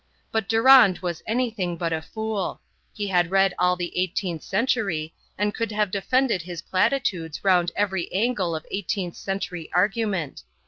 But Durand was anything but a fool; he had read all the eighteenth century, and could have defended his platitudes round every angle of eighteenth century argument.